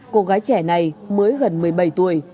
cô gái trẻ này mới gần một mươi bảy tuổi